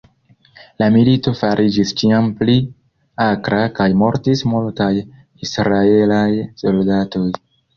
La milito fariĝis ĉiam pli akra, kaj mortis multaj Israelaj soldatoj.